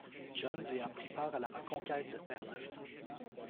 John's et a pris part à la reconquête de Terre-Neuve.